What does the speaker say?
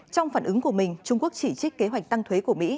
trong phản ứng của mình trung quốc chỉ trích kế hoạch tăng thuế của mỹ